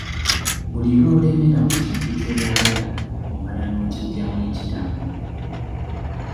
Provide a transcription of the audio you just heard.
Buli lw'olemera ku kintu ky'oyagala omala n'okiggyamu ekiramu.